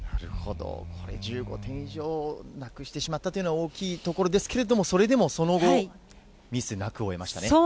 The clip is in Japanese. これ、１５点以上なくしてしまったというのは大きいところですけれども、それでもその後、ミスなく終えましたね。